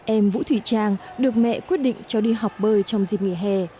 em vũ thủy trang được mẹ quyết định cho đi học bơi trong dịp nghỉ hè